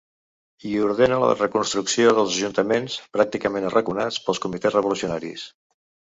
I ordena la reconstrucció dels ajuntaments, pràcticament arraconats pels comitès revolucionaris.